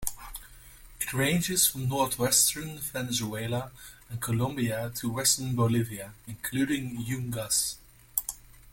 It ranges from northwestern Venezuela and Colombia to western Bolivia, including the Yungas.